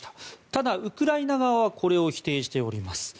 ただウクライナ側はこれを否定しております。